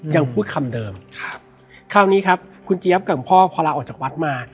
ยังพูดคำเดิมครับคราวนี้ครับคุณเจี๊ยบกับคุณพ่อพอลาออกจากวัดมา